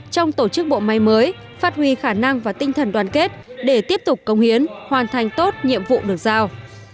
trong tổ chức bộ máy mới phát huy khả năng và tinh thần đoàn kết để tiếp tục công hiến hoàn thành tốt nhiệm vụ được giao